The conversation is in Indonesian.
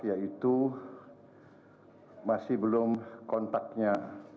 yaitu masih belum kontaknya